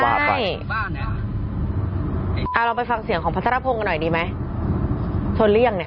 บ้านเนี้ยเอาเราไปฟังเสียงของพระธรพงษ์กันหน่อยดีไหมชนเรียงเนี้ย